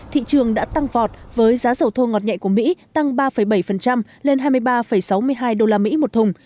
thị trường đã tăng vọt với giá dầu thô ngọt nhẹ của mỹ tăng ba bảy lên hai mươi ba sáu mươi hai usd một thùng